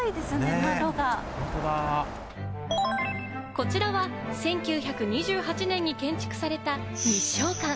こちらは１９２８年に建築された日証館。